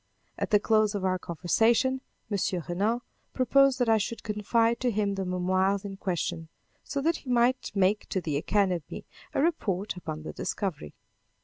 At the close of our conversation, M. Renan proposed that I should confide to him the memoirs in question, so that he might make to the Academy a report upon the discovery.